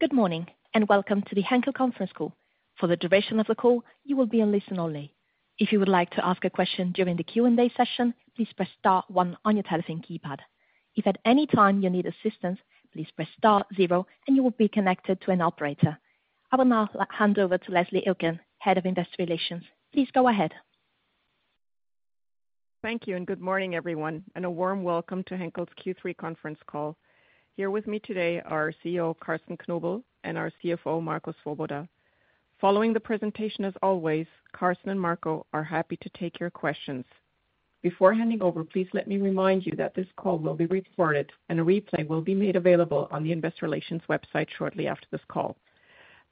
Good morning, and welcome to the Henkel conference call. For the duration of the call, you will be on listen only. If you would like to ask a question during the Q&A session, please press star one on your telephone keypad. If at any time you need assistance, please press star zero and you will be connected to an operator. I will now hand over to Leslie Iltgen, Head of Investor Relations. Please go ahead. Thank you, and good morning, everyone, and a warm welcome to Henkel's Q3 conference call. Here with me today are our CEO, Carsten Knobel, and our CFO, Marco Swoboda. Following the presentation, as always, Carsten and Marco are happy to take your questions. Before handing over, please let me remind you that this call will be recorded and a replay will be made available on the investor relations website shortly after this call.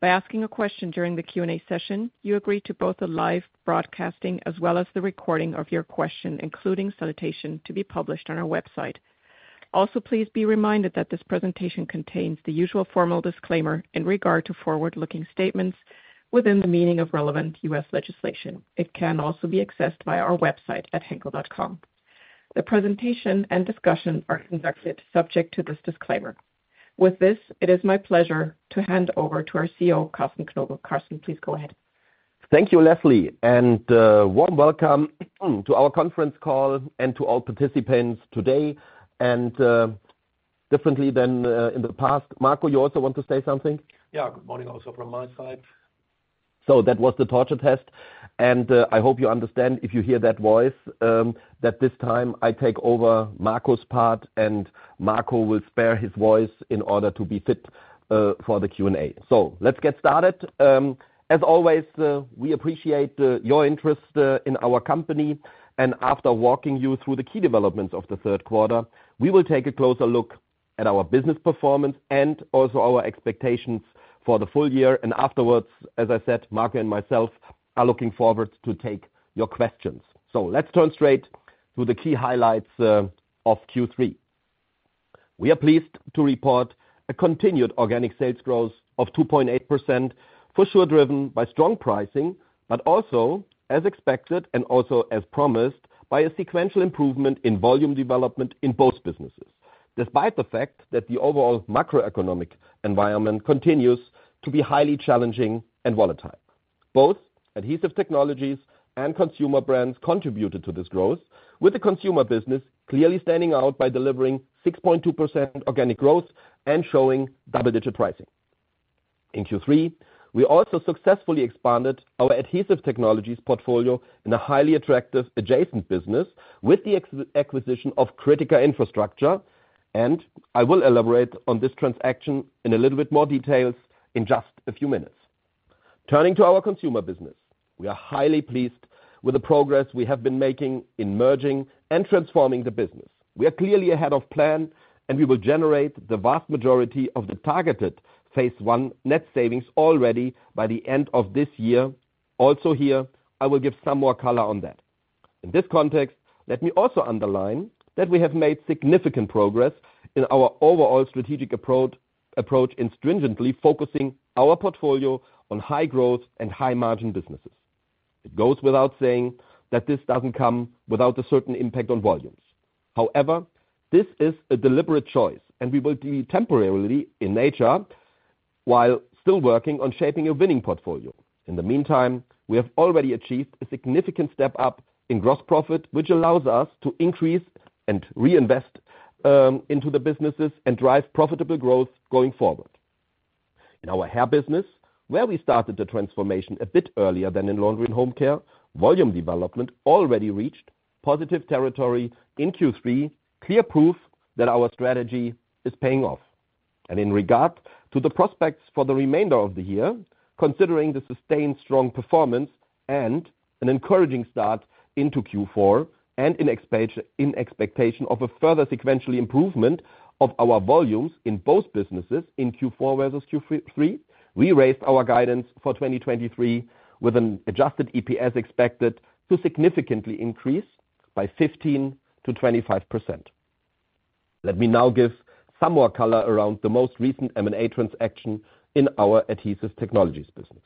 By asking a question during the Q&A session, you agree to both the live broadcasting as well as the recording of your question, including salutation, to be published on our website. Also, please be reminded that this presentation contains the usual formal disclaimer in regard to forward-looking statements within the meaning of relevant US legislation. It can also be accessed via our website at henkel.com. The presentation and discussion are conducted subject to this disclaimer. With this, it is my pleasure to hand over to our CEO, Carsten Knobel. Carsten, please go ahead. Thank you, Leslie, and warm welcome to our conference call and to all participants today, and differently than in the past. Marco, you also want to say something? Yeah, good morning also from my side. So that was the torture test, and I hope you understand, if you hear that voice, that this time I take over Marco's part, and Marco will spare his voice in order to be fit for the Q&A. So let's get started. As always, we appreciate your interest in our company, and after walking you through the key developments of the third quarter, we will take a closer look at our business performance and also our expectations for the full year. And afterwards, as I said, Marco and myself are looking forward to take your questions. So let's turn straight to the key highlights of Q3. We are pleased to report a continued organic sales growth of 2.8%, for sure driven by strong pricing, but also, as expected and also as promised, by a sequential improvement in volume development in both businesses. Despite the fact that the overall macroeconomic environment continues to be highly challenging and volatile. Both Adhesive Technologies and Consumer Brands contributed to this growth, with the consumer business clearly standing out by delivering 6.2% organic growth and showing double-digit pricing. In Q3, we also successfully expanded our Adhesive Technologies portfolio in a highly attractive adjacent business with the acquisition of Critica Infrastructure, and I will elaborate on this transaction in a little bit more details in just a few minutes. Turning to our consumer business, we are highly pleased with the progress we have been making in merging and transforming the business. We are clearly ahead of plan, and we will generate the vast majority of the targeted Phase One net savings already by the end of this year. Also here, I will give some more color on that. In this context, let me also underline that we have made significant progress in our overall strategic approach in stringently focusing our portfolio on high growth and high margin businesses. It goes without saying that this doesn't come without a certain impact on volumes. However, this is a deliberate choice, and we will be temporarily in nature while still working on shaping a winning portfolio. In the meantime, we have already achieved a significant step up in gross profit, which allows us to increase and reinvest into the businesses and drive profitable growth going forward. In our hair business, where we started the transformation a bit earlier than in Laundry and Home Care, volume development already reached positive territory in Q3, clear proof that our strategy is paying off. And in regard to the prospects for the remainder of the year, considering the sustained strong performance and an encouraging start into Q4 and in expectation of a further sequential improvement of our volumes in both businesses in Q4 versus Q3, we raised our guidance for 2023, with an adjusted EPS expected to significantly increase by 15%-25%. Let me now give some more color around the most recent M&A transaction in our Adhesive Technologies business.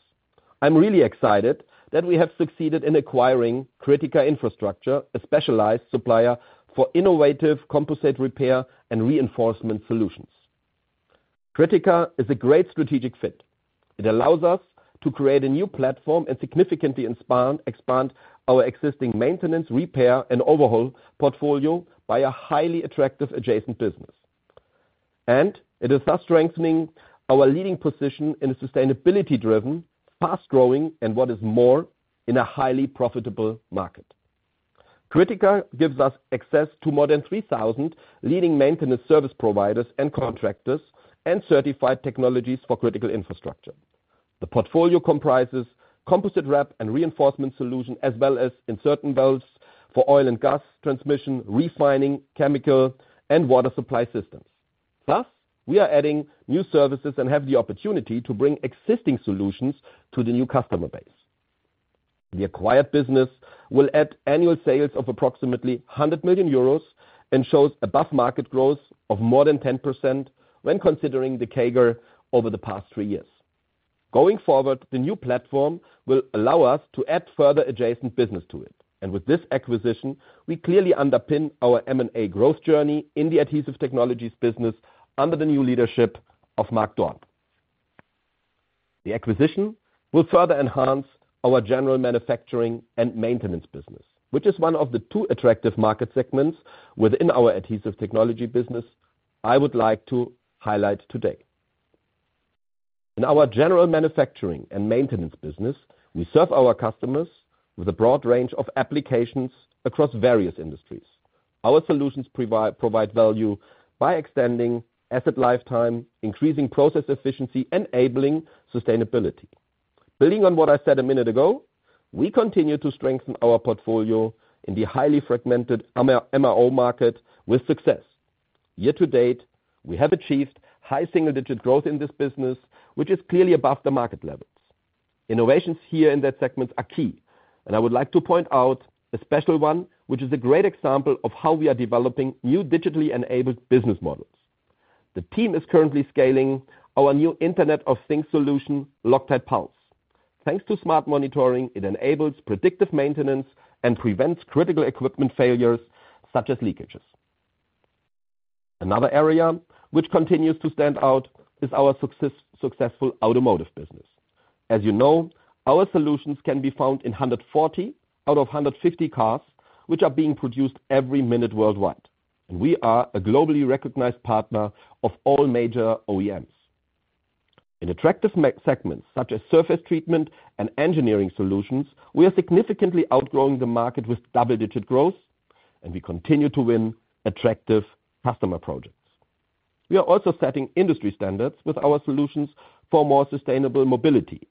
I'm really excited that we have succeeded in acquiring Critica Infrastructure, a specialized supplier for innovative composite repair and reinforcement solutions. Critica is a great strategic fit. It allows us to create a new platform and significantly expand our existing maintenance, repair, and overhaul portfolio by a highly attractive adjacent business. It is thus strengthening our leading position in a sustainability-driven, fast-growing, and what is more, in a highly profitable market. Critica gives us access to more than 3,000 leading maintenance service providers and contractors, and certified technologies for critical infrastructure. The portfolio comprises composite wrap and reinforcement solution, as well as insertion valves for oil and gas transmission, refining, chemical, and water supply systems. Thus, we are adding new services and have the opportunity to bring existing solutions to the new customer base. The acquired business will add annual sales of approximately 100 million euros and shows above-market growth of more than 10% when considering the CAGR over the past three years. Going forward, the new platform will allow us to add further adjacent business to it. With this acquisition, we clearly underpin our M&A growth journey in the Adhesive Technologies business under the new leadership of Mark Dorn. The acquisition will further enhance our general manufacturing and maintenance business, which is one of the two attractive market segments within our Adhesive Technologies business I would like to highlight today. In our general manufacturing and maintenance business, we serve our customers with a broad range of applications across various industries. Our solutions provide value by extending asset lifetime, increasing process efficiency, enabling sustainability. Building on what I said a minute ago, we continue to strengthen our portfolio in the highly fragmented MRO market with success. Year to date, we have achieved high single-digit growth in this business, which is clearly above the market levels. Innovations here in that segment are key, and I would like to point out a special one, which is a great example of how we are developing new digitally enabled business models. The team is currently scaling our new Internet of Things solution, LOCTITE Pulse. Thanks to smart monitoring, it enables predictive maintenance and prevents critical equipment failures, such as leakages. Another area which continues to stand out is our successful automotive business. As you know, our solutions can be found in 140 out of 150 cars, which are being produced every minute worldwide, and we are a globally recognized partner of all major OEMs. In attractive market segments, such as surface treatment and engineering solutions, we are significantly outgrowing the market with double-digit growth, and we continue to win attractive customer projects. We are also setting industry standards with our solutions for more sustainable mobility.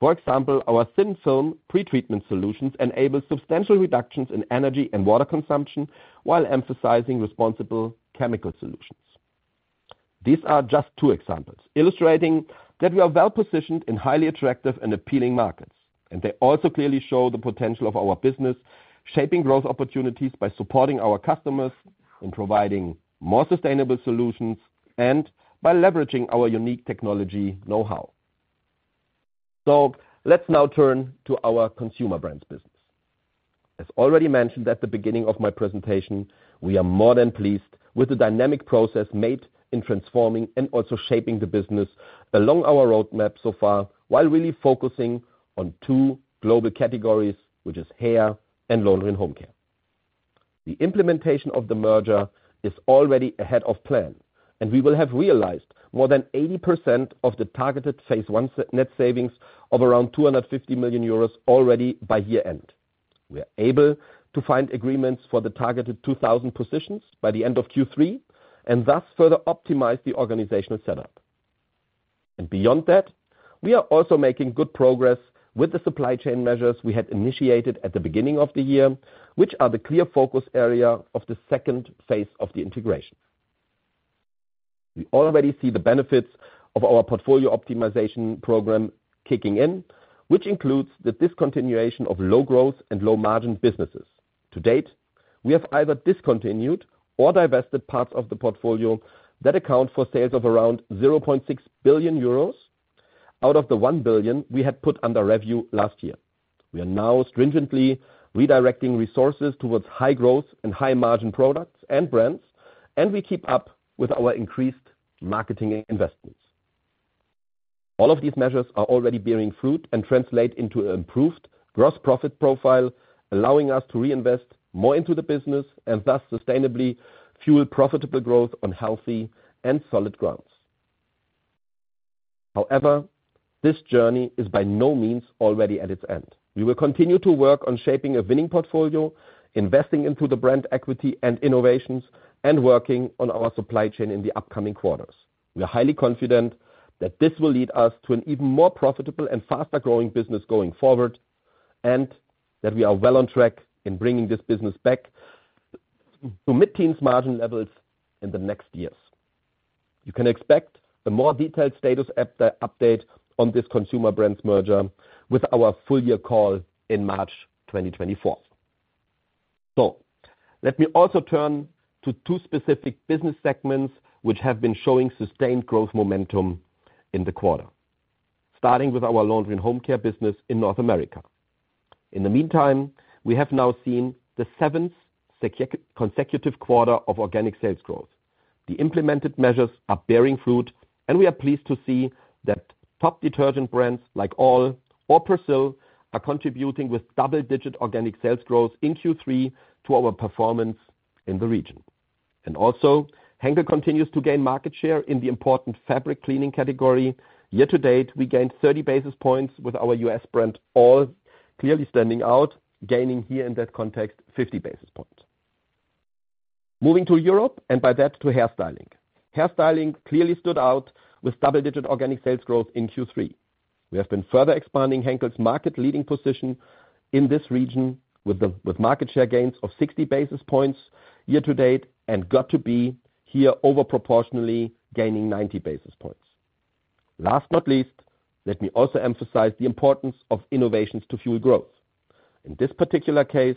For example, our thin-film pretreatment solutions enable substantial reductions in energy and water consumption, while emphasizing responsible chemical solutions. These are just two examples illustrating that we are well-positioned in highly attractive and appealing markets, and they also clearly show the potential of our business, shaping growth opportunities by supporting our customers in providing more sustainable solutions and by leveraging our unique technology know-how. Let's now turn to our Consumer Brands business. As already mentioned at the beginning of my presentation, we are more than pleased with the dynamic process made in transforming and also shaping the business along our roadmap so far, while really focusing on two global categories, which is hair and laundry and home care. The implementation of the merger is already ahead of plan, and we will have realized more than 80% of the targeted phase one net savings of around 250 million euros already by year-end. We are able to find agreements for the targeted 2,000 positions by the end of Q3 and thus further optimize the organizational setup. Beyond that, we are also making good progress with the supply chain measures we had initiated at the beginning of the year, which are the clear focus area of the second phase of the integration. We already see the benefits of our portfolio optimization program kicking in, which includes the discontinuation of low-growth and low-margin businesses. To date, we have either discontinued or divested parts of the portfolio that account for sales of around 0.6 billion euros out of the 1 billion we had put under review last year. We are now stringently redirecting resources towards high-growth and high-margin products and brands, and we keep up with our increased marketing investments. All of these measures are already bearing fruit and translate into an improved gross profit profile, allowing us to reinvest more into the business and thus sustainably fuel profitable growth on healthy and solid grounds. However, this journey is by no means already at its end. We will continue to work on shaping a winning portfolio, investing into the brand equity and innovations, and working on our supply chain in the upcoming quarters. We are highly confident that this will lead us to an even more profitable and faster-growing business going forward, and that we are well on track in bringing this business back to mid-teens margin levels in the next years. You can expect a more detailed status update on this Consumer Brands merger with our full year call in March 2024. So let me also turn to two specific business segments, which have been showing sustained growth momentum in the quarter. Starting with our Laundry and Home Care business in North America. In the meantime, we have now seen the seventh consecutive quarter of organic sales growth. The implemented measures are bearing fruit, and we are pleased to see that top detergent brands like All or Persil are contributing with double-digit organic sales growth in Q3 to our performance in the region. And also, Henkel continues to gain market share in the important fabric cleaning category. Year to date, we gained 30 basis points with our U.S. brand All, clearly standing out, gaining here in that context, 50 basis points. Moving to Europe, and by that, to hairstyling. Hairstyling clearly stood out with double-digit organic sales growth in Q3. We have been further expanding Henkel's market-leading position in this region with market share gains of 60 basis points year to date, and got2b here over proportionally, gaining 90 basis points. Last but not least, let me also emphasize the importance of innovations to fuel growth. In this particular case,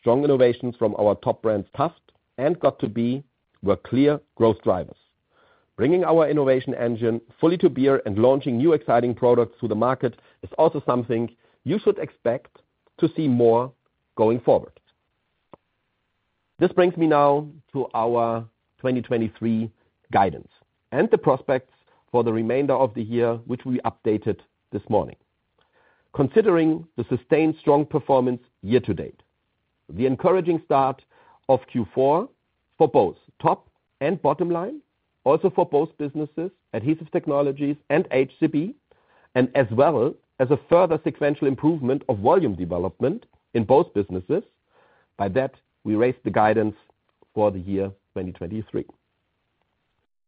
strong innovations from our top brands, Taft and got2b, were clear growth drivers. Bringing our innovation engine fully to bear and launching new, exciting products to the market is also something you should expect to see more going forward. This brings me now to our 2023 guidance and the prospects for the remainder of the year, which we updated this morning. Considering the sustained strong performance year to date, the encouraging start of Q4 for both top and bottom line, also for both businesses, Adhesive Technologies and HCB, and as well as a further sequential improvement of volume development in both businesses. By that, we raised the guidance for the year 2023.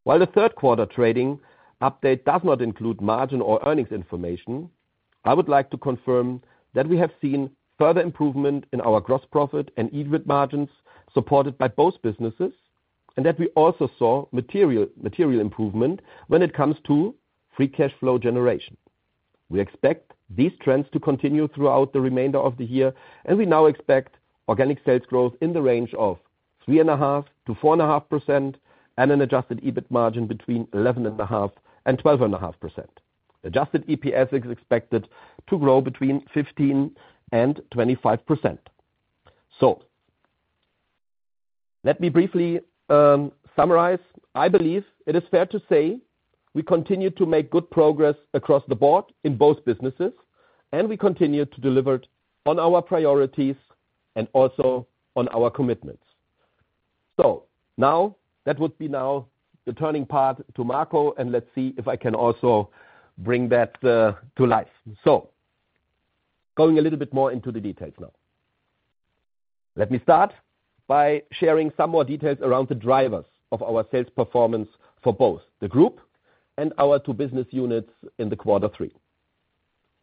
While the third quarter trading update does not include margin or earnings information, I would like to confirm that we have seen further improvement in our gross profit and EBIT margins, supported by both businesses, and that we also saw material improvement when it comes to free cash flow generation. We expect these trends to continue throughout the remainder of the year, and we now expect organic sales growth in the range of 3.5%-4.5% and an Adjusted EBIT margin between 11.5% and 12.5%. Adjusted EPS is expected to grow between 15% and 25%. So let me briefly summarize. I believe it is fair to say we continue to make good progress across the board in both businesses, and we continue to deliver on our priorities and also on our commitments. So now, that would be now the turning part to Marco, and let's see if I can also bring that to life. So going a little bit more into the details now. Let me start by sharing some more details around the drivers of our sales performance for both the group and our two business units in quarter three.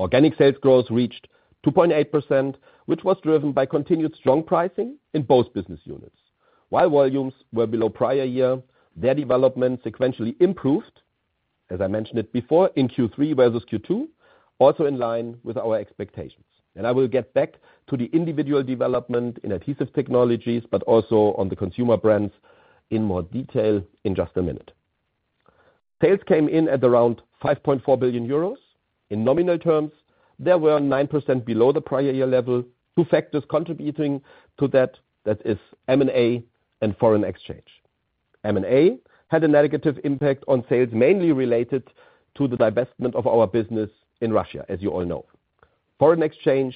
Organic sales growth reached 2.8%, which was driven by continued strong pricing in both business units. While volumes were below prior year, their development sequentially improved, as I mentioned it before, in Q3 versus Q2, also in line with our expectations. And I will get back to the individual development in Adhesive Technologies, but also on the Consumer Brands in more detail in just a minute. Sales came in at around 5.4 billion euros. In nominal terms, they were 9% below the prior year level. Two factors contributing to that, that is M&A and foreign exchange. M&A had a negative impact on sales, mainly related to the divestment of our business in Russia, as you all know. Foreign exchange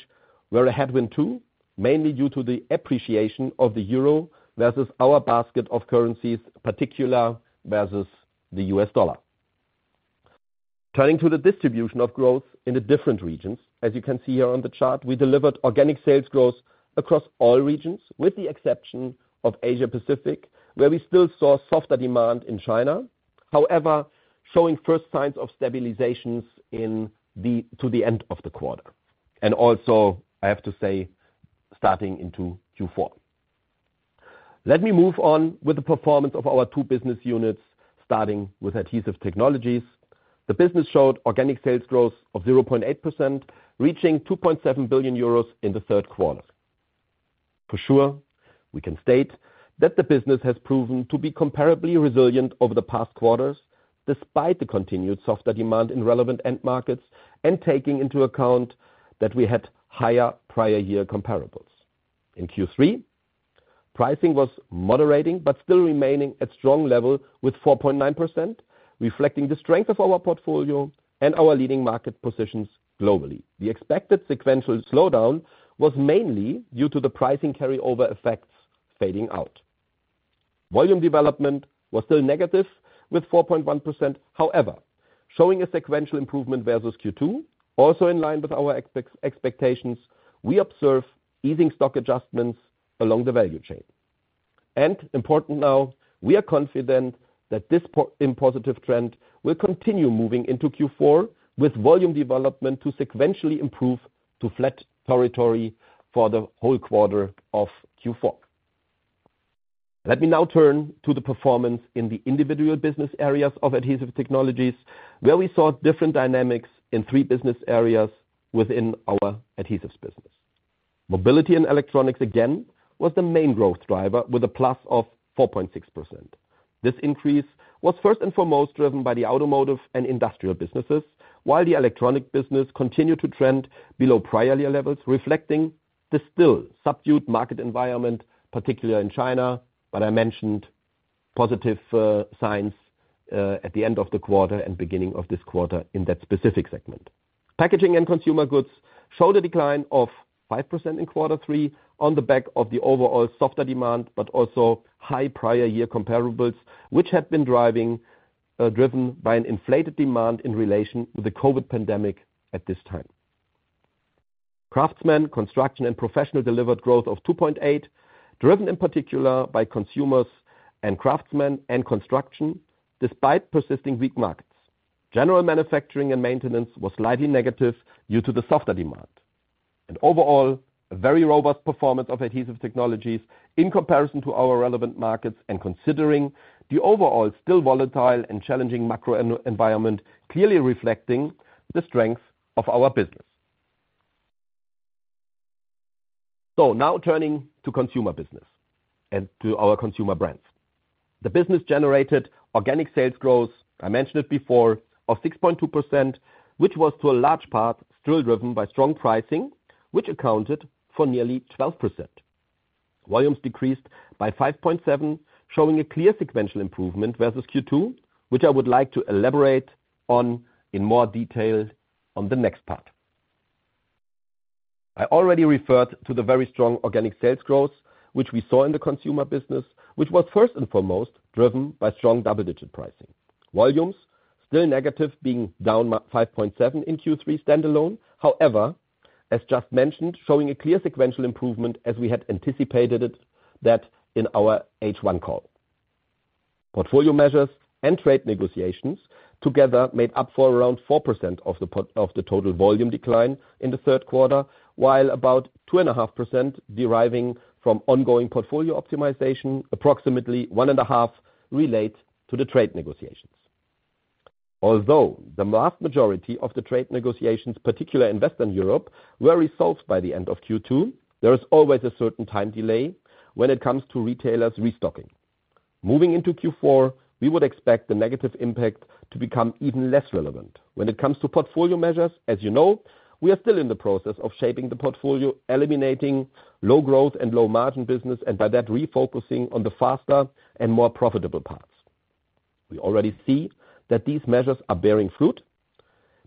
were a headwind, too, mainly due to the appreciation of the euro versus our basket of currencies, particular versus the US dollar. Turning to the distribution of growth in the different regions, as you can see here on the chart, we delivered organic sales growth across all regions, with the exception of Asia Pacific, where we still saw softer demand in China. However, showing first signs of stabilizations to the end of the quarter, and also, I have to say, starting into Q4. Let me move on with the performance of our two business units, starting with Adhesive Technologies. The business showed organic sales growth of 0.8%, reaching 2.7 billion euros in the third quarter. For sure, we can state that the business has proven to be comparably resilient over the past quarters, despite the continued softer demand in relevant end markets and taking into account that we had higher prior year comparables. In Q3, pricing was moderating, but still remaining at strong level, with 4.9%, reflecting the strength of our portfolio and our leading market positions globally. The expected sequential slowdown was mainly due to the pricing carryover effects fading out. Volume development was still negative, with 4.1%, however, showing a sequential improvement versus Q2. Also, in line with our expectations, we observe easing stock adjustments along the value chain. Important now, we are confident that this positive trend will continue moving into Q4, with volume development to sequentially improve to flat territory for the whole quarter of Q4. Let me now turn to the performance in the individual business areas of Adhesive Technologies, where we saw different dynamics in three business areas within our Adhesives business. Mobility and electronics, again, was the main growth driver, with a +4.6%. This increase was first and foremost driven by the automotive and industrial businesses, while the electronic business continued to trend below prior year levels, reflecting the still subdued market environment, particularly in China. But I mentioned positive signs at the end of the quarter and beginning of this quarter in that specific segment. Packaging and consumer goods saw the decline of 5% in quarter three on the back of the overall softer demand, but also high prior year comparables, which had been driving, driven by an inflated demand in relation with the COVID pandemic at this time. Craftsmen, construction, and professional delivered growth of 2.8, driven in particular by consumers and craftsmen and construction, despite persisting weak markets. General manufacturing and maintenance was slightly negative due to the softer demand. Overall, a very robust performance of Adhesive Technologies in comparison to our relevant markets and considering the overall still volatile and challenging macro environment, clearly reflecting the strength of our business.... Now turning to consumer business and to our Consumer Brands. The business generated organic sales growth, I mentioned it before, of 6.2%, which was to a large part still driven by strong pricing, which accounted for nearly 12%. Volumes decreased by 5.7, showing a clear sequential improvement versus Q2, which I would like to elaborate on in more detail on the next part. I already referred to the very strong organic sales growth, which we saw in the consumer business, which was first and foremost driven by strong double-digit pricing. Volumes, still negative, being down by 5.7 in Q3 standalone. However, as just mentioned, showing a clear sequential improvement as we had anticipated it, that in our H1 call. Portfolio measures and trade negotiations together made up for around 4% of the total volume decline in the third quarter, while about 2.5% deriving from ongoing portfolio optimization, approximately 1.5 relates to the trade negotiations. Although the vast majority of the trade negotiations, particularly in Western Europe, were resolved by the end of Q2, there is always a certain time delay when it comes to retailers restocking. Moving into Q4, we would expect the negative impact to become even less relevant. When it comes to portfolio measures, as you know, we are still in the process of shaping the portfolio, eliminating low growth and low margin business, and by that, refocusing on the faster and more profitable parts. We already see that these measures are bearing fruit,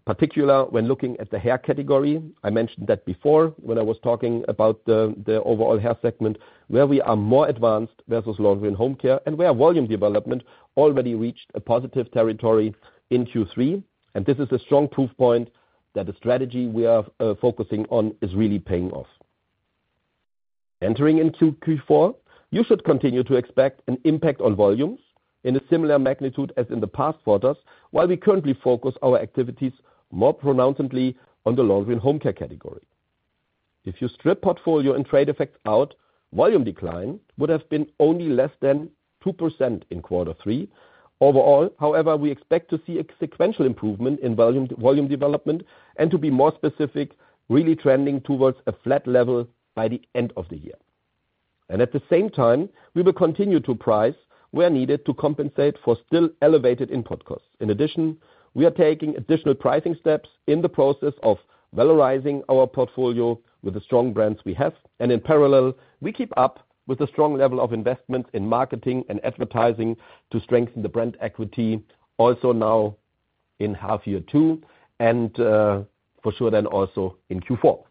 particularly when looking at the hair category. I mentioned that before when I was talking about the overall hair segment, where we are more advanced versus laundry and home care, and where volume development already reached a positive territory in Q3. This is a strong proof point that the strategy we are focusing on is really paying off. Entering into Q4, you should continue to expect an impact on volumes in a similar magnitude as in the past quarters, while we currently focus our activities more pronouncedly on the laundry and home care category. If you strip portfolio and trade effects out, volume decline would have been only less than 2% in quarter three. Overall, however, we expect to see a sequential improvement in volume, volume development, and to be more specific, really trending towards a flat level by the end of the year. And at the same time, we will continue to price where needed to compensate for still elevated input costs. In addition, we are taking additional pricing steps in the process of valorizing our portfolio with the strong brands we have, and in parallel, we keep up with the strong level of investment in marketing and advertising to strengthen the brand equity also now in half year two and, for sure, then also in Q4.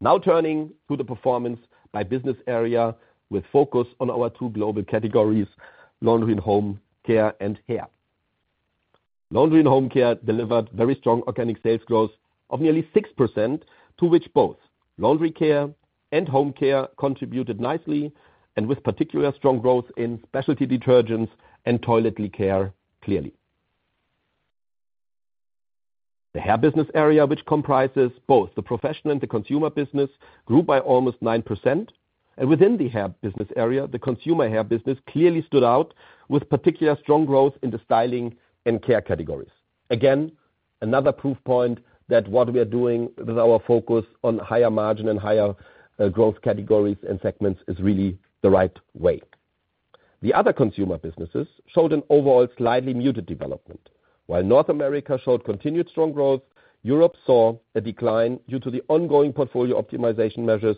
Now turning to the performance by business area, with focus on our two global categories, Laundry and Home Care and Hair. Laundry and Home Care delivered very strong organic sales growth of nearly 6%, to which both laundry care and home care contributed nicely, and with particular strong growth in specialty detergents and toilet care, clearly. The hair business area, which comprises both the professional and the consumer business, grew by almost 9%. Within the hair business area, the consumer hair business clearly stood out with particular strong growth in the styling and care categories. Again, another proof point that what we are doing with our focus on higher margin and higher growth categories and segments is really the right way. The other consumer businesses showed an overall slightly muted development. While North America showed continued strong growth, Europe saw a decline due to the ongoing portfolio optimization measures.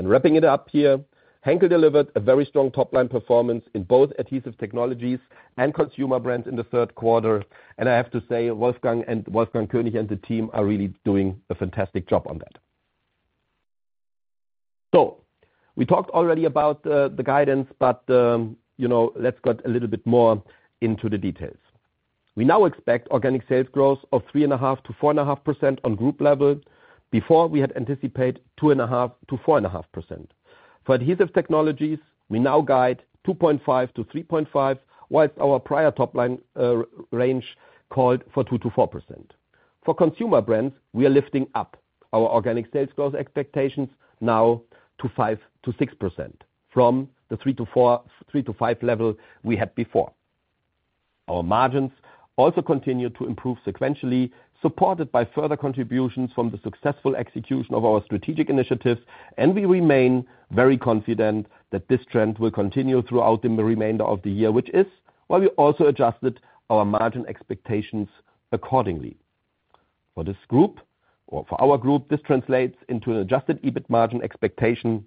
Wrapping it up here, Henkel delivered a very strong top-line performance in both Adhesive Technologies and Consumer Brands in the third quarter. I have to say, Wolfgang König and the team are really doing a fantastic job on that. We talked already about the guidance, but you know, let's get a little bit more into the details. We now expect organic sales growth of 3.5%-4.5% on group level. Before, we had anticipated 2.5%-4.5%. For Adhesive Technologies, we now guide 2.5-3.5, while our prior top line, range called for 2%-4%. For Consumer Brands, we are lifting up our organic sales growth expectations now to 5%-6% from the 3%-4%, 3%-5% level we had before. Our margins also continued to improve sequentially, supported by further contributions from the successful execution of our strategic initiatives, and we remain very confident that this trend will continue throughout the remainder of the year, which is why we also adjusted our margin expectations accordingly. For this group, or for our group, this translates into an adjusted EBIT margin expectation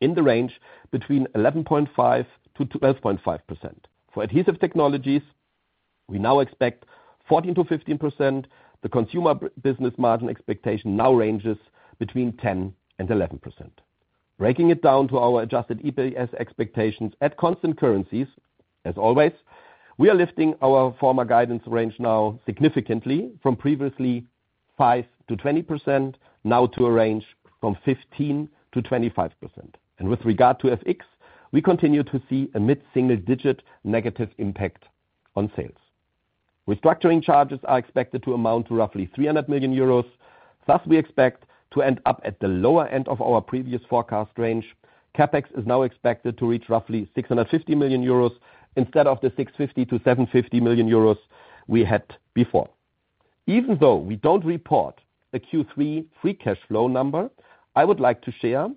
in the range between 11.5%-12.5%. For Adhesive Technologies, we now expect 14%-15%. The Consumer Brands business margin expectation now ranges between 10%-11%. Breaking it down to our adjusted EPS expectations at constant currencies, as always, we are lifting our former guidance range now significantly from previously 5%-20%, now to a range from 15%-25%. And with regard to FX, we continue to see a mid-single digit negative impact on sales. Restructuring charges are expected to amount to roughly 300 million euros. Thus, we expect to end up at the lower end of our previous forecast range. CapEx is now expected to reach roughly 650 million euros, instead of the 650 million-750 million euros we had before. Even though we don't report a Q3 free cash flow number, I would like to share,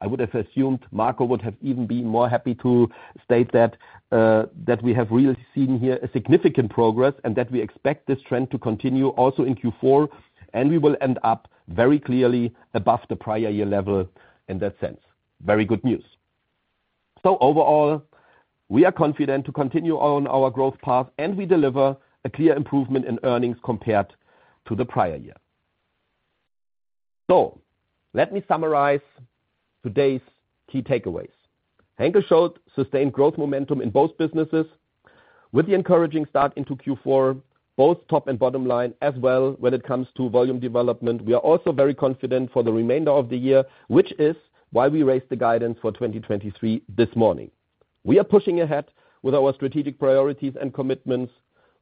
I would have assumed Marco would have even been more happy to state that, that we have really seen here a significant progress, and that we expect this trend to continue also in Q4, and we will end up very clearly above the prior year level in that sense. Very good news. So overall, we are confident to continue on our growth path, and we deliver a clear improvement in earnings compared to the prior year. So let me summarize today's key takeaways. Henkel showed sustained growth momentum in both businesses. With the encouraging start into Q4, both top and bottom line, as well, when it comes to volume development, we are also very confident for the remainder of the year, which is why we raised the guidance for 2023 this morning. We are pushing ahead with our strategic priorities and commitments.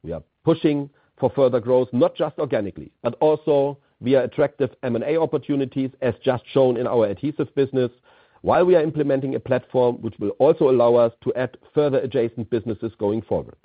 We are pushing for further growth, not just organically, but also via attractive M&A opportunities, as just shown in our adhesives business, while we are implementing a platform which will also allow us to add further adjacent businesses going forward.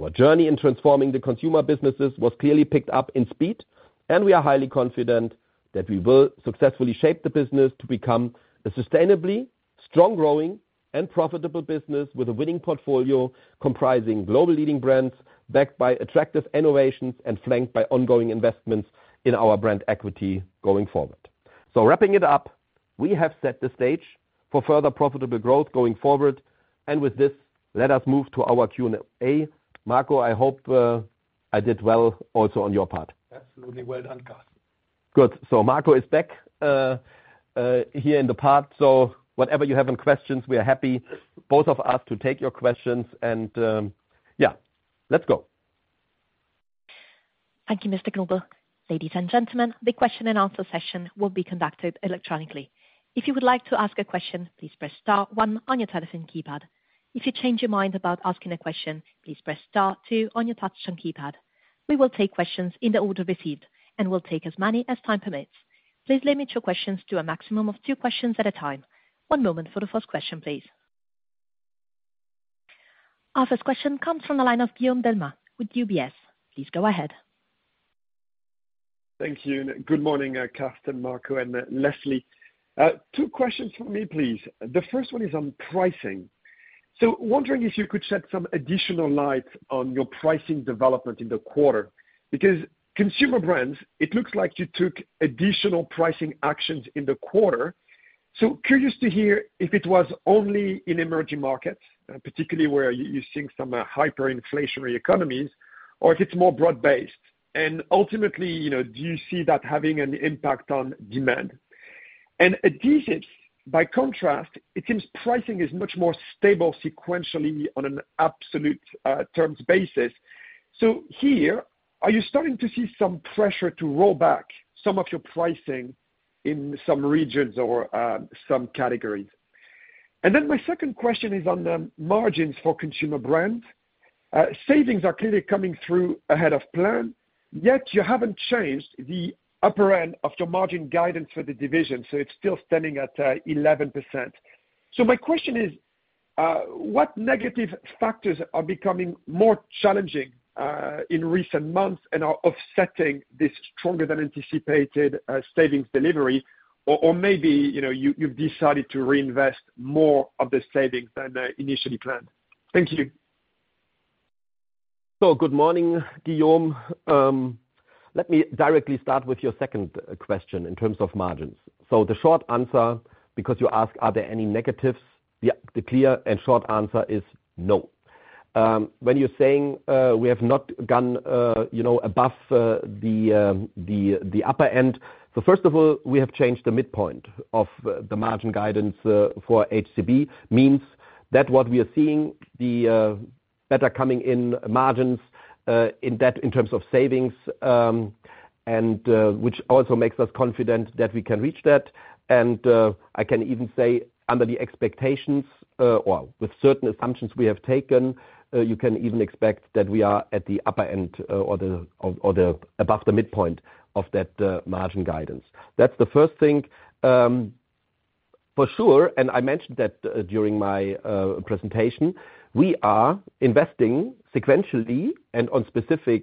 Our journey in transforming the consumer businesses was clearly picked up in speed, and we are highly confident that we will successfully shape the business to become a sustainably strong, growing, and profitable business with a winning portfolio comprising global leading brands, backed by attractive innovations and flanked by ongoing investments in our brand equity going forward. Wrapping it up, we have set the stage for further profitable growth going forward, and with this, let us move to our Q&A. Marco, I hope I did well, also, on your part. Absolutely. Well done, Carsten. Good. So Marco is back here in the part. So whatever you have in questions, we are happy, both of us, to take your questions and, yeah, let's go. Thank you, Mr. Knobel. Ladies and gentlemen, the question and answer session will be conducted electronically. If you would like to ask a question, please press star one on your telephone keypad. If you change your mind about asking a question, please press star two on your touch-tone keypad. We will take questions in the order received and will take as many as time permits. Please limit your questions to a maximum of two questions at a time. One moment for the first question, please. Our first question comes from the line of Guillaume Delmas with UBS. Please go ahead. Thank you, and good morning, Carsten, Marco, and Leslie. Two questions for me, please. The first one is on pricing. So wondering if you could shed some additional light on your pricing development in the quarter? Because Consumer Brands, it looks like you took additional pricing actions in the quarter. So curious to hear if it was only in emerging markets, particularly where you're seeing some hyperinflationary economies, or if it's more broad-based. And ultimately, you know, do you see that having an impact on demand? And Adhesives, by contrast, it seems pricing is much more stable sequentially on an absolute terms basis. So here, are you starting to see some pressure to roll back some of your pricing in some regions or some categories? And then my second question is on the margins for Consumer Brands. Savings are clearly coming through ahead of plan, yet you haven't changed the upper end of your margin guidance for the division, so it's still standing at 11%. So my question is, what negative factors are becoming more challenging in recent months and are offsetting this stronger than anticipated savings delivery? Or, or maybe, you know, you, you've decided to reinvest more of the savings than initially planned. Thank you. Good morning, Guillaume. Let me directly start with your second question in terms of margins. The short answer, because you ask, are there any negatives? Yeah, the clear and short answer is no. When you're saying, we have not gone, you know, above the upper end. First of all, we have changed the midpoint of the margin guidance for HCB, means that what we are seeing, the better coming in margins in terms of savings, and which also makes us confident that we can reach that. And I can even say under the expectations, or with certain assumptions we have taken, you can even expect that we are at the upper end, or the above the midpoint of that margin guidance. That's the first thing. For sure, and I mentioned that, during my presentation, we are investing sequentially and on specific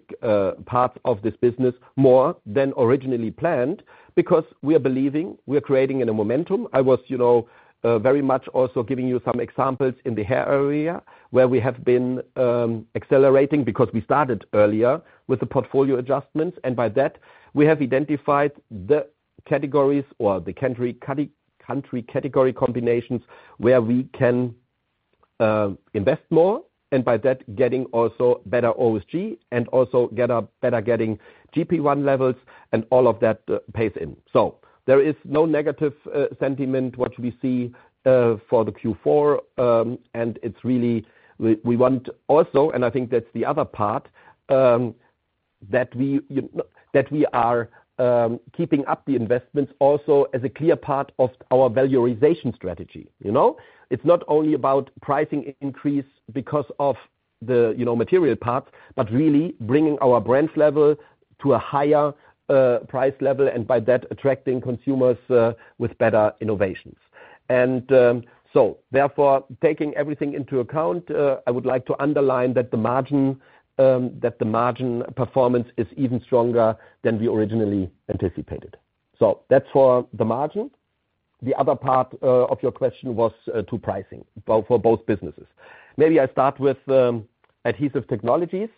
parts of this business more than originally planned, because we are believing we are creating in a momentum. I was, you know, very much also giving you some examples in the hair area, where we have been accelerating because we started earlier with the portfolio adjustments. And by that we have identified the categories or the country, category, country category combinations where we can invest more, and by that, getting also better OSG and also get a better getting GP1 levels and all of that pays in. So there is no negative sentiment what we see for the Q4. And it's really we want also, and I think that's the other part that we are keeping up the investments also as a clear part of our valorization strategy, you know? It's not only about pricing increase because of the, you know, material part, but really bringing our brands level to a higher price level, and by that, attracting consumers with better innovations. So therefore, taking everything into account, I would like to underline that the margin performance is even stronger than we originally anticipated. So that's for the margin. The other part of your question was to pricing for both businesses. Maybe I start with Adhesive Technologies.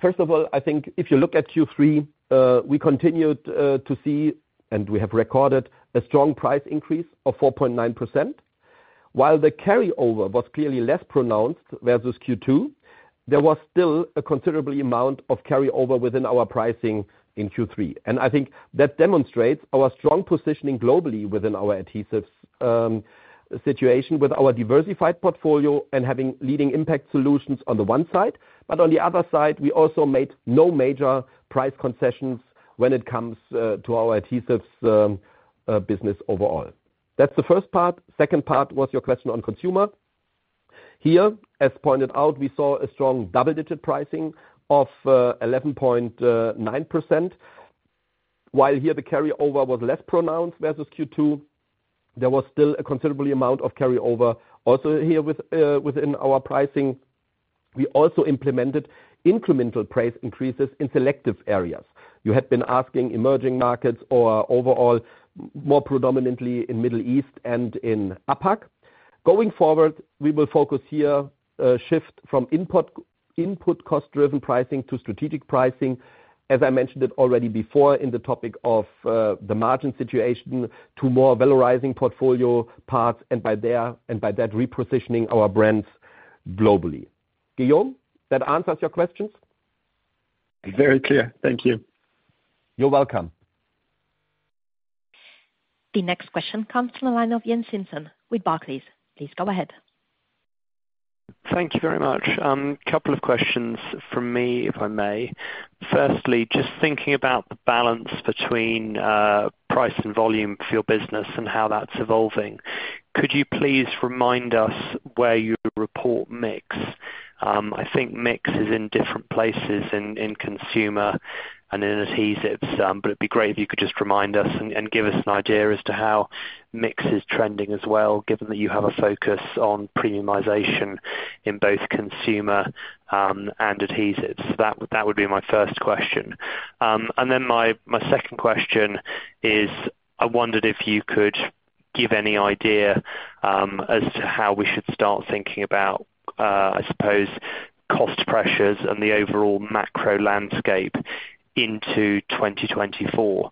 First of all, I think if you look at Q3, we continued to see, and we have recorded, a strong price increase of 4.9%. While the carryover was clearly less pronounced versus Q2, there was still a considerable amount of carryover within our pricing in Q3. I think that demonstrates our strong positioning globally within our adhesives situation with our diversified portfolio and having leading impact solutions on the one side, but on the other side, we also made no major price concessions when it comes to our adhesives business overall. That's the first part. Second part was your question on consumer. Here, as pointed out, we saw a strong double-digit pricing of 11.9%. While here, the carryover was less pronounced versus Q2, there was still a considerable amount of carryover also here with within our pricing. We also implemented incremental price increases in selective areas. You had been asking emerging markets or overall, more predominantly in Middle East and in APAC. Going forward, we will focus here, a shift from input input cost-driven pricing to strategic pricing. As I mentioned it already before in the topic of the margin situation, to more valorising portfolio parts, and by there, and by that, repositioning our brands globally. Guillaume, that answers your questions? Very clear. Thank you. You're welcome. The next question comes from the line of Iain Simpson with Barclays. Please go ahead. Thank you very much. A couple of questions from me, if I may. Firstly, just thinking about the balance between price and volume for your business and how that's evolving, could you please remind us where you report mix? I think mix is in different places in consumer and in adhesives, but it'd be great if you could just remind us and give us an idea as to how mix is trending as well, given that you have a focus on premiumization in both consumer and adhesives. That would be my first question. And then my second question is, I wondered if you could give any idea as to how we should start thinking about I suppose cost pressures and the overall macro landscape into 2024.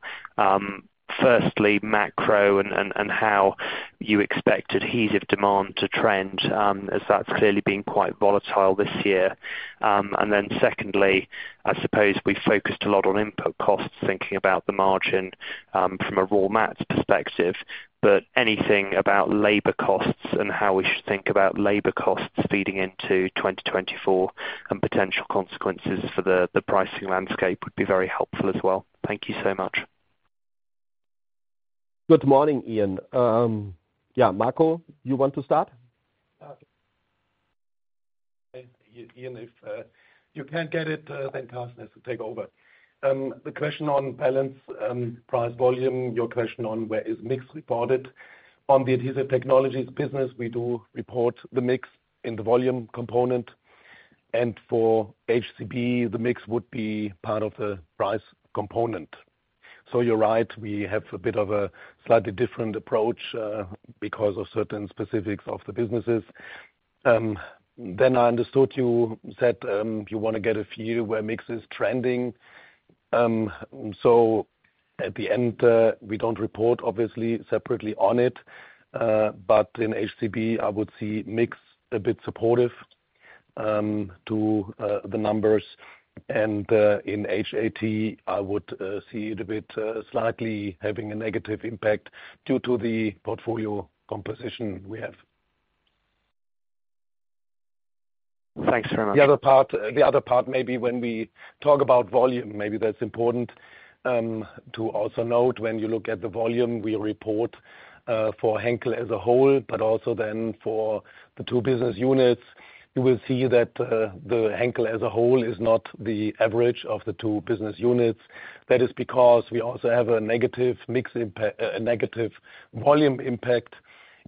Firstly, macro and how you expect adhesive demand to trend, as that's clearly been quite volatile this year. And then secondly, I suppose we focused a lot on input costs, thinking about the margin, from a raw mats perspective, but anything about labor costs and how we should think about labor costs feeding into 2024 and potential consequences for the pricing landscape would be very helpful as well. Thank you so much. Good morning, Ian. Yeah, Marco, you want to start? Ian, if you can't get it, then Carsten has to take over. The question on balance, price, volume, your question on where is mix reported. On the Adhesive Technologies business, we do report the mix in the volume component, and for HCB, the mix would be part of the price component. So you're right, we have a bit of a slightly different approach, because of certain specifics of the businesses. Then I understood you said, you wanna get a view where mix is trending. So at the end, we don't report obviously separately on it, but in HCB, I would see mix a bit supportive, to the numbers. And in HAT, I would see it a bit slightly having a negative impact due to the portfolio composition we have. Thanks very much. Maybe when we talk about volume, maybe that's important to also note, when you look at the volume we report for Henkel as a whole, but also then for the two business units. You will see that the Henkel as a whole is not the average of the two business units. That is because we also have a negative mix impact—a negative volume impact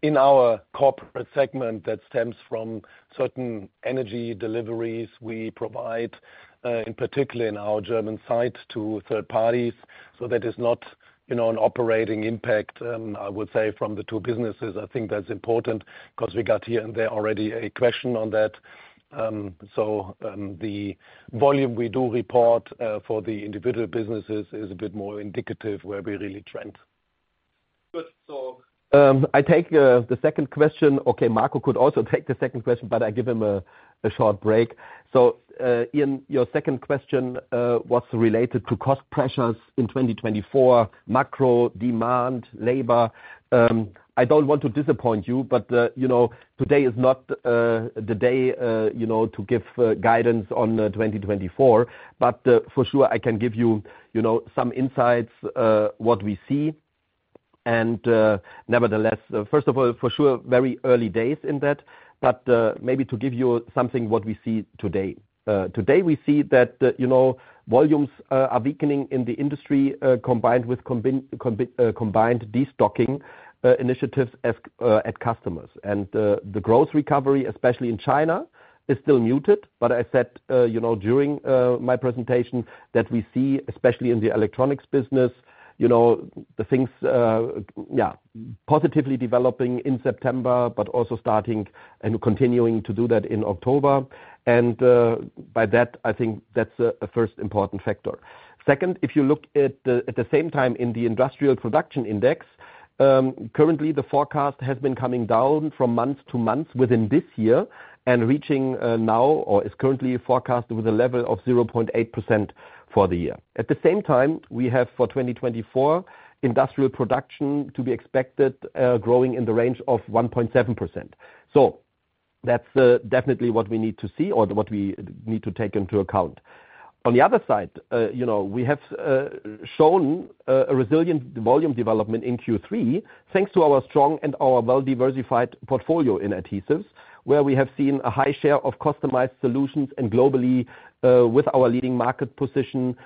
in our corporate segment that stems from certain energy deliveries we provide, in particular in our German site, to third parties. So that is not, you know, an operating impact, I would say, from the two businesses. I think that's important because we got here and there already a question on that. So the volume we do report for the individual businesses is a bit more indicative where we really trend. Good. So, I take the second question. Okay, Marco could also take the second question, but I give him a short break. So, Ian, your second question was related to cost pressures in 2024, macro, demand, labor. I don't want to disappoint you, but, you know, today is not the day, you know, to give guidance on 2024. But, for sure, I can give you, you know, some insights what we see, and, nevertheless, first of all, for sure, very early days in that, but, maybe to give you something what we see today. Today, we see that, you know, volumes are weakening in the industry, combined with combined destocking initiatives at customers. The growth recovery, especially in China, is still muted. But I said, you know, during my presentation that we see, especially in the electronics business, you know, the things, yeah, positively developing in September, but also starting and continuing to do that in October. And by that, I think that's a first important factor. Second, if you look at the at the same time in the industrial production index, currently the forecast has been coming down from month to month within this year and reaching now or is currently forecasted with a level of 0.8% for the year. At the same time, we have for 2024, industrial production to be expected growing in the range of 1.7%. So that's definitely what we need to see or what we need to take into account. On the other side, you know, we have shown a resilient volume development in Q3, thanks to our strong and our well-diversified portfolio in adhesives, where we have seen a high share of customized solutions, and globally, with our leading market position,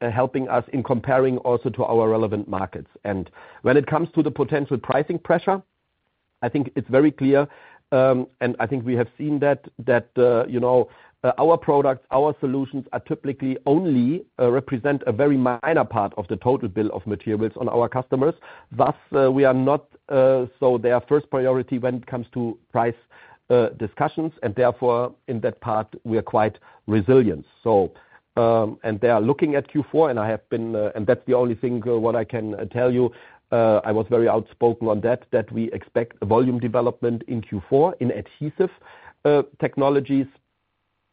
helping us in comparing also to our relevant markets. And when it comes to the potential pricing pressure, I think it's very clear, and I think we have seen that, you know, our products, our solutions are typically only represent a very minor part of the total bill of materials on our customers. Thus, we are not so their first priority when it comes to price discussions, and therefore, in that part, we are quite resilient. They are looking at Q4, and I have been. And that's the only thing what I can tell you. I was very outspoken on that, that we expect a volume development in Q4, in Adhesive Technologies,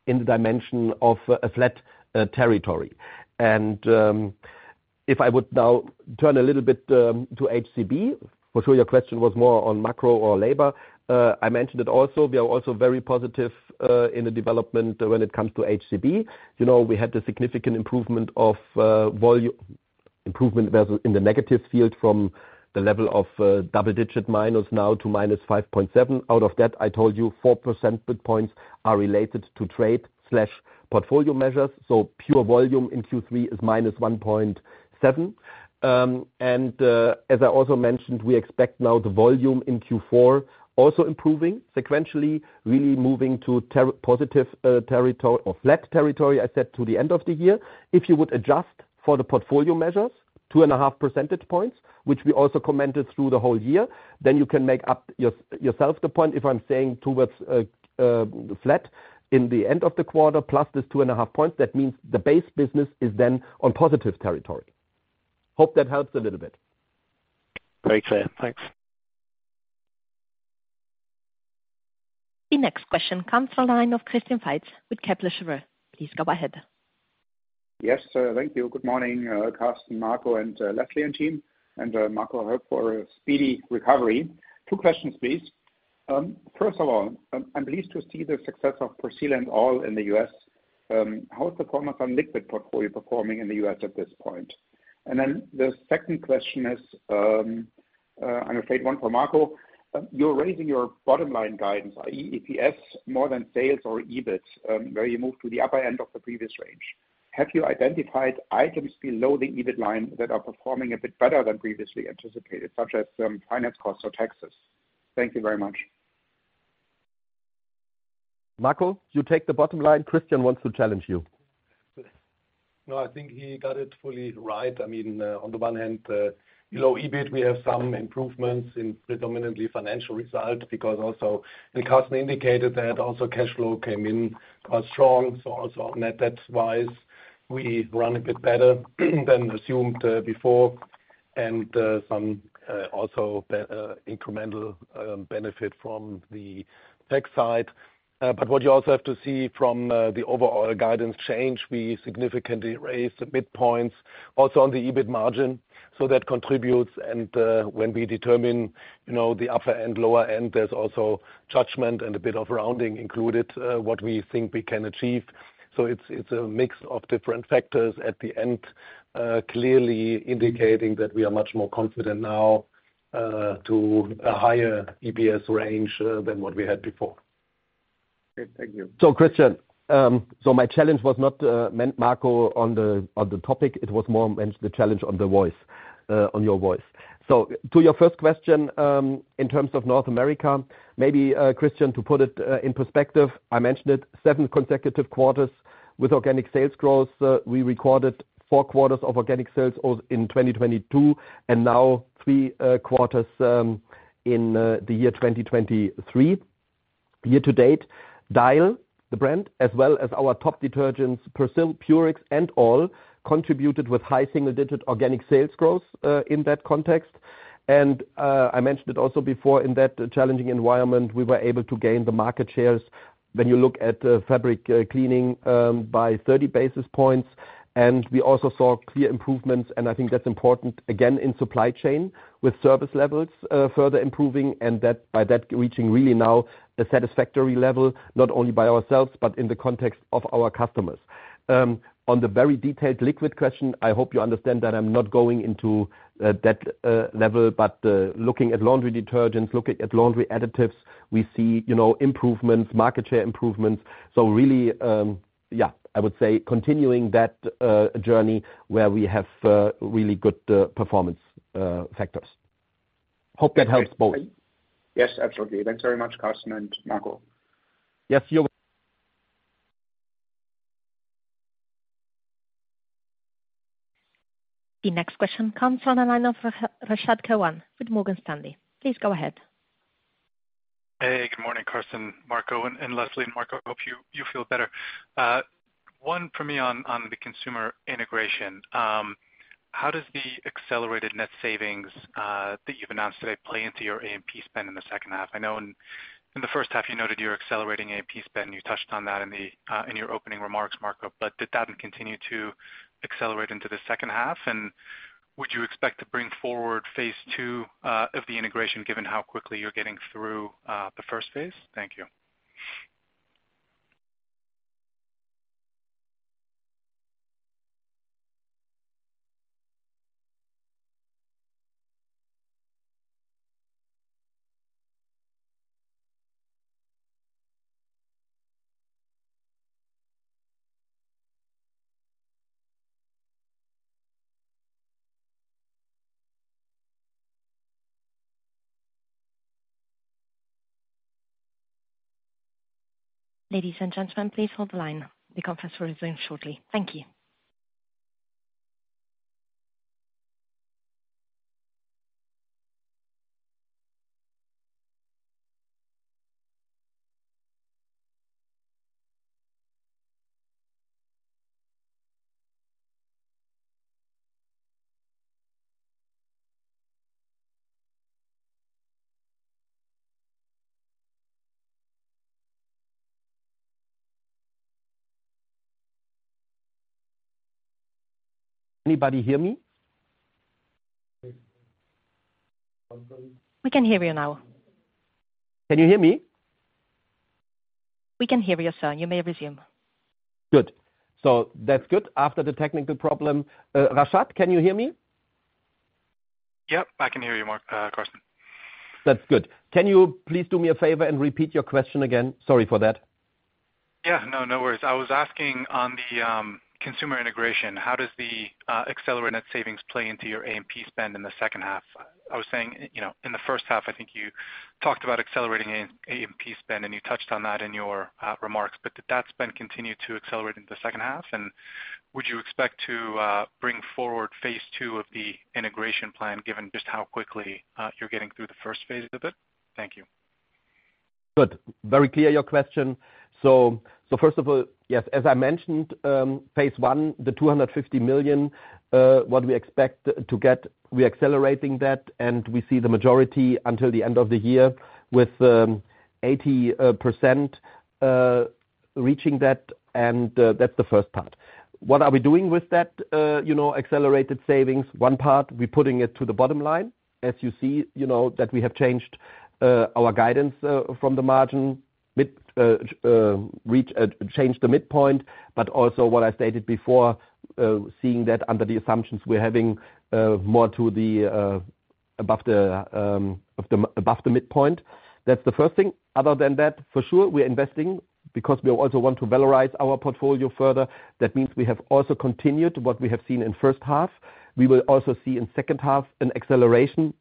in the dimension of a flat trajectory. And if I would now turn a little bit to HCB, for sure, your question was more on macro or labor. I mentioned it also. We are also very positive in the development when it comes to HCB. You know, we had a significant volume improvement in the negative field from the level of double-digit minus now to -5.7. Out of that, I told you 4 percentage points are related to trade/portfolio measures, so pure volume in Q3 is -1.7. As I also mentioned, we expect now the volume in Q4 also improving sequentially, really moving to positive territory or flat territory, I said, to the end of the year. If you would adjust for the portfolio measures, 2.5 percentage points, which we also commented through the whole year, then you can make up yourself the point. If I'm saying towards flat in the end of the quarter, plus this 2.5 points, that means the base business is then on positive territory. Hope that helps a little bit. Very clear. Thanks. The next question comes from the line of Christian Faitz with Kepler Cheuvreux. Please go ahead. Yes, thank you. Good morning, Carsten, Marco, and Leslie, and team, and Marco, I hope for a speedy recovery. Two questions, please. First of all, I'm pleased to see the success of Persil and All in the US. How is the performance on liquid portfolio performing in the US at this point? And then the second question is, I'm afraid one for Marco. You're raising your bottom line guidance, EPS more than sales or EBIT, where you move to the upper end of the previous range. Have you identified items below the EBIT line that are performing a bit better than previously anticipated, such as finance costs or taxes? Thank you very much. Marco, you take the bottom line. Christian wants to challenge you. No, I think he got it fully right. I mean, on the one hand, you know, EBIT, we have some improvements in predominantly financial result, because also, and Carsten indicated that also cash flow came in strong. So also net debt-wise, we run a bit better than assumed before, and some also incremental benefit from the tax side. But what you also have to see from the overall guidance change, we significantly raised the midpoints also on the EBIT margin, so that contributes. When we determine, you know, the upper and lower end, there's also judgment and a bit of rounding included what we think we can achieve. So it's, it's a mix of different factors at the end, clearly indicating that we are much more confident now, to a higher EPS range, than what we had before. Okay. Thank you. So, Christian, so my challenge was not meant Marco, on the topic. It was more meant the challenge on the voice, on your voice. So to your first question, in terms of North America, maybe, Christian, to put it, in perspective, I mentioned it, seven consecutive quarters with organic sales growth. We recorded four quarters of organic sales all in 2022, and now three quarters in the year 2023. Year to date, Dial, the brand, as well as our top detergents, Persil, Purex, and All, contributed with high single-digit organic sales growth, in that context. And, I mentioned it also before, in that challenging environment, we were able to gain the market shares when you look at the fabric cleaning by 30 basis points. And we also saw clear improvements, and I think that's important, again, in supply chain, with service levels further improving, and by that, reaching really now a satisfactory level, not only by ourselves, but in the context of our customers. On the very detailed liquid question, I hope you understand that I'm not going into that level, but looking at laundry detergents, looking at laundry additives, we see, you know, improvements, market share improvements. So really, yeah, I would say continuing that journey where we have really good performance factors. Hope that helps both. Yes, absolutely. Thanks very much, Carsten and Marco. Yes, you're- The next question comes from the line of Rashad Kawan with Morgan Stanley. Please go ahead. Hey, good morning, Carsten, Marco, and Leslie. Marco, I hope you feel better. One for me on the consumer integration. How does the accelerated net savings that you've announced today play into your A&P spend in the second half? I know in the first half, you noted you're accelerating A&P spend, you touched on that in your opening remarks, Marco. But did that continue to accelerate into the second half, and would you expect to bring forward phase two of the integration, given how quickly you're getting through the first phase? Thank you. Ladies and gentlemen, please hold the line. The conference will resume shortly. Thank you. Anybody hear me? We can hear you now. Can you hear me? We can hear you, sir. You may resume. Good. So that's good, after the technical problem. Rashad, can you hear me? Yep, I can hear you, Carsten. That's good. Can you please do me a favor and repeat your question again? Sorry for that. Yeah. No, no worries. I was asking on the consumer integration, how does the accelerated savings play into your AMP spend in the second half? I was saying, you know, in the first half, I think you talked about accelerating AMP spend, and you touched on that in your remarks. But did that spend continue to accelerate in the second half, and would you expect to bring forward phase two of the integration plan, given just how quickly you're getting through the first phase of it? Thank you. Good. Very clear, your question. So, first of all, yes, as I mentioned, phase one, the 250 million what we expect to get, we're accelerating that, and we see the majority until the end of the year with 80% reaching that, and that's the first part. What are we doing with that, you know, accelerated savings? One part, we're putting it to the bottom line. As you see, you know, that we have changed our guidance from the margin with reach change the midpoint. But also what I stated before, seeing that under the assumptions, we're having more to the above the of the above the midpoint. That's the first thing. Other than that, for sure, we're investing, because we also want to valorize our portfolio further. That means we have also continued what we have seen in first half. We will also see in second half an acceleration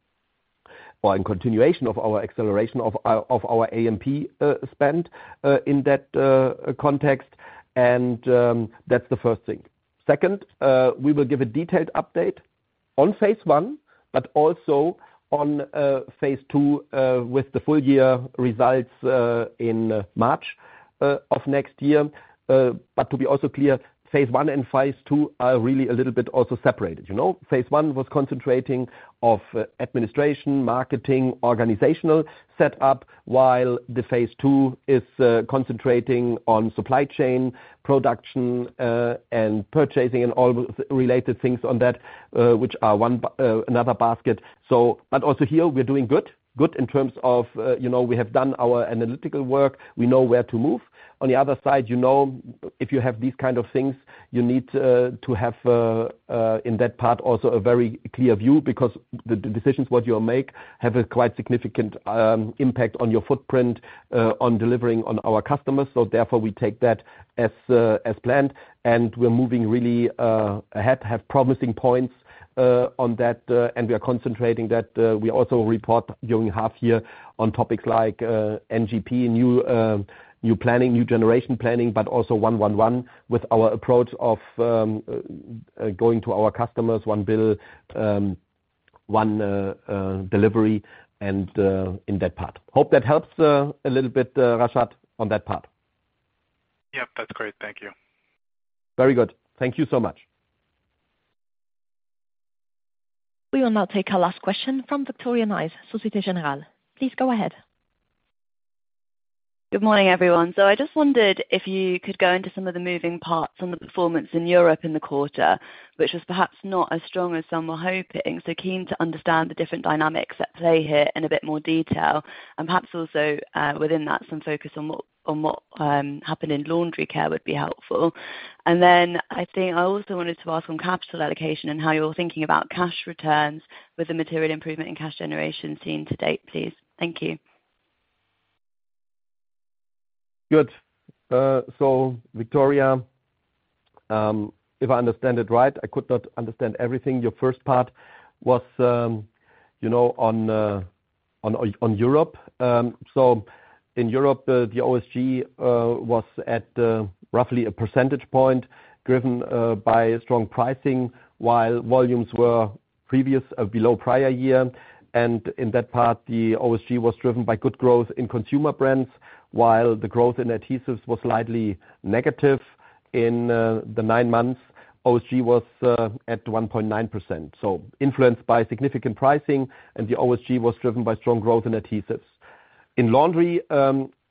or in continuation of our acceleration of our AMP spend in that context, and that's the first thing. Second, we will give a detailed update on phase one, but also on phase two with the full year results in March of next year. But to be also clear, phase one and phase two are really a little bit also separated. You know, phase one was concentrating of administration, marketing, organizational set-up, while the phase two is concentrating on supply chain, production and purchasing, and all related things on that which are one another basket. So, but also here we're doing good, good in terms of, you know, we have done our analytical work, we know where to move. On the other side, you know, if you have these kind of things, you need to have in that part also a very clear view, because the decisions what you make have a quite significant impact on your footprint on delivering on our customers. So therefore, we take that as planned, and we're moving really ahead, have promising points on that, and we are concentrating that. We also report during half year on topics like NGP, new planning, new generation planning, but also one with our approach of going to our customers, one bill, one delivery, and in that part. Hope that helps, a little bit, Rashad, on that part. Yep, that's great. Thank you. Very good. Thank you so much. We will now take our last question from Victoria Nice, Société Générale. Please go ahead. Good morning, everyone. I just wondered if you could go into some of the moving parts on the performance in Europe in the quarter, which was perhaps not as strong as some were hoping. I am keen to understand the different dynamics at play here in a bit more detail, and perhaps also, within that, some focus on what happened in laundry care would be helpful. Then I think I also wanted to ask on capital allocation and how you're thinking about cash returns with the material improvement in cash generation seen to date, please. Thank you. Good. So Victoria, if I understand it right, I could not understand everything. Your first part was, you know, on Europe. So in Europe, the OSG was at roughly a percentage point driven by strong pricing, while volumes were previous below prior year. And in that part, the OSG was driven by good growth in consumer brands, while the growth in adhesives was slightly negative. In the nine months, OSG was at 1.9%, so influenced by significant pricing, and the OSG was driven by strong growth in adhesives. In laundry,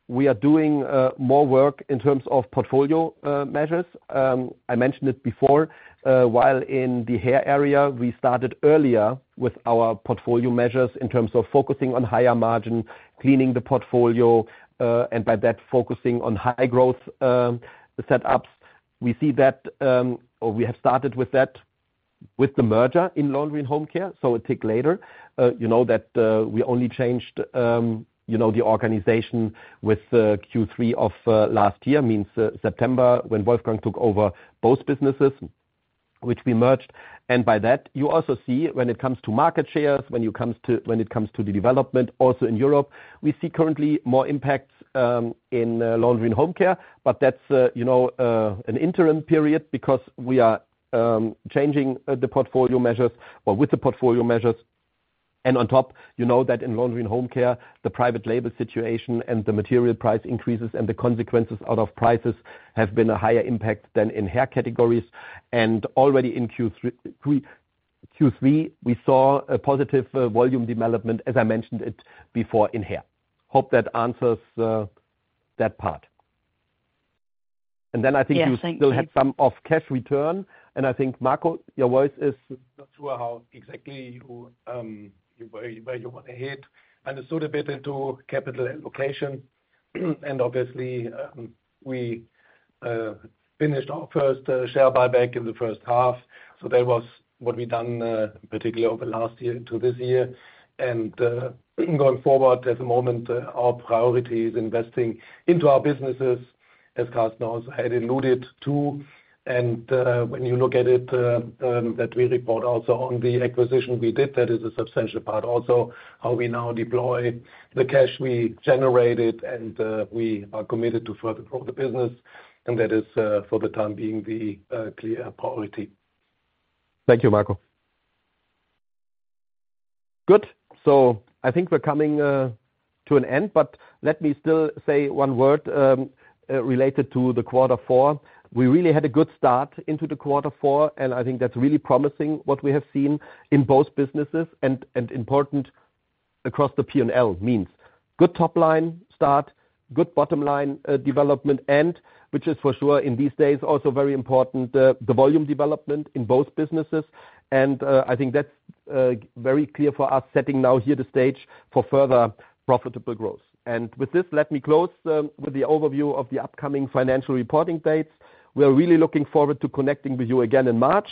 we are doing more work in terms of portfolio measures. I mentioned it before, while in the hair area, we started earlier with our portfolio measures in terms of focusing on higher margin, cleaning the portfolio, and by that focusing on high growth setups. We see that, or we have started with that with the merger in Laundry and Home Care, so it take later. You know, that, we only changed, you know, the organization with Q3 of last year, means September, when Wolfgang took over both businesses, which we merged. And by that, you also see when it comes to market shares, when it comes to the development, also in Europe, we see currently more impacts, in Laundry and Home Care. But that's, you know, an interim period because we are changing the portfolio measures or with the portfolio measures. And on top, you know that in Laundry and Home Care, the private label situation and the material price increases and the consequences out of prices have been a higher impact than in hair categories. And already in Q3, we saw a positive volume development, as I mentioned it before in hair. Hope that answers that part. Yes, thank you. And then I think you still have some of cash return, and I think, Marco, your voice is- Not sure how exactly you want to hit. Understood a bit into capital allocation, and obviously, we finished our first share buyback in the first half. So that was what we've done, particularly over last year into this year. And going forward, at the moment, our priority is investing into our businesses, as Carsten had alluded to. And when you look at it, that we report also on the acquisition we did, that is a substantial part, also how we now deploy the cash we generated. And we are committed to further grow the business, and that is, for the time being, the clear priority. Thank you, Marco. Good. So I think we're coming to an end, but let me still say one word related to the quarter four. We really had a good start into the quarter four, and I think that's really promising, what we have seen in both businesses and, and important across the P&L. Means good top line start, good bottom line development, and which is for sure, in these days, also very important, the volume development in both businesses. And I think that's very clear for us, setting now here the stage for further profitable growth. And with this, let me close with the overview of the upcoming financial reporting dates. We are really looking forward to connecting with you again in March,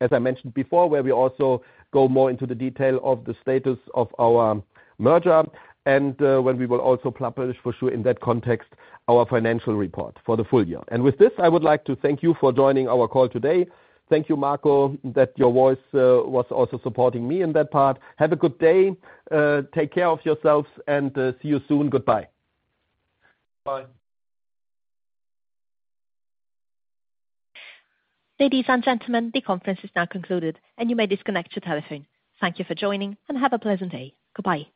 as I mentioned before, where we also go more into the detail of the status of our merger. And when we will also publish for sure, in that context, our financial report for the full year. And with this, I would like to thank you for joining our call today. Thank you, Marco, that your voice was also supporting me in that part. Have a good day, take care of yourselves, and see you soon. Goodbye. Bye. Ladies and gentlemen, the conference is now concluded, and you may disconnect your telephone. Thank you for joining, and have a pleasant day. Goodbye.